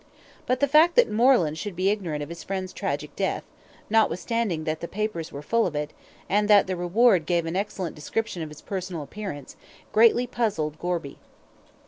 But the fact that Moreland should be ignorant of his friend's tragic death, notwithstanding that the papers were full of it, and that the reward gave an excellent description of his personal appearance, greatly puzzled Gorby.